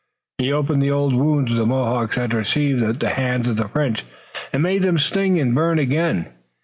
He opened the old wounds the Mohawks had received at the hands of the French and made them sting and burn again.